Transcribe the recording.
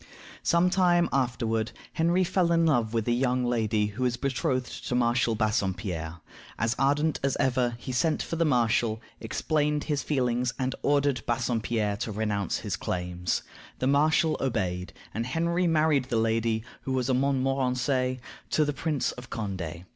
Some time afterward Henry fell in love with a young lady who was betrothed to Marshal Bassompierre. As ardent as ever, he sent for the marshal, explained his feelings, and ordered Bassompierre to renounce his claims. The marshal obeyed, and Henry married the lady (who was a Montmorency) to the Prince of Condé.